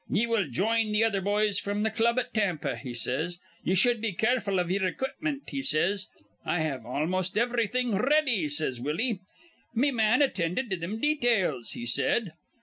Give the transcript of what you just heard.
'Ye will jine th' other boys fr'm th' club at Tampa,' he says. 'Ye shud be careful iv ye'er equipment,' he says. 'I have almost ivrything r ready,' says Willie. 'Me man attinded to thim details,' he says.